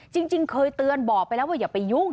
จริงเคยเตือนบอกไปแล้วว่าอย่าไปยุ่ง